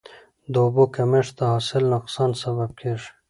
د اوبو کمښت د حاصل نقصان سبب کېږي.